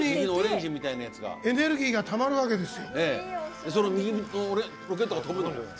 エネルギーがたまるわけですよ。